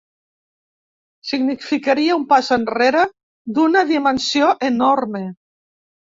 Significaria un pas enrere d’una dimensió enorme.